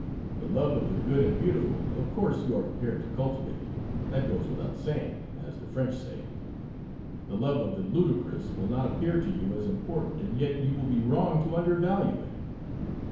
The love of the good and beautiful of course you are prepared to cultivate that goes without saying, as the French say; the love of the ludicrous will not appear to you as important, and yet you will be wrong to undervalue it.